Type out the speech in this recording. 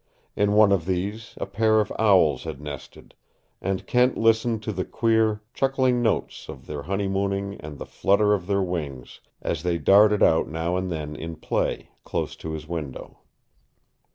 In one of these a pair of owls had nested, and Kent listened to the queer, chuckling notes of their honeymooning and the flutter of their wings as they darted out now and then in play close to his window.